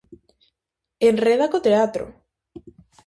Enreda co teatro!